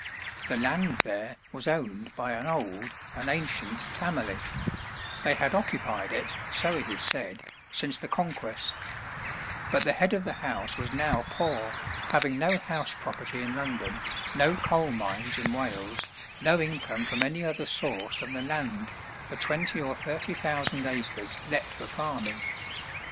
The land there was owned by an old, an ancient, family; they had occupied it, so it is said, since the Conquest; but the head of the house was now poor, having no house property in London, no coal mines in Wales, no income from any other source than the land, the twenty or thirty thousand acres let for farming.